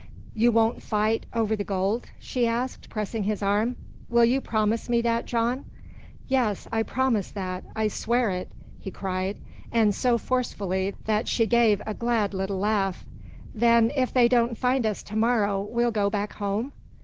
"You won't fight over the gold?" she asked, pressing his arm. "Will you promise me that, John?" "Yes, I promise that. I swear it!" he cried, and so forcefully that she gave a glad little laugh. "Then if they don't find us to morrow, we'll go back home?"